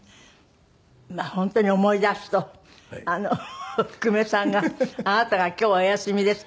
まあ本当に思い出すと久米さんがあなたが今日お休みです。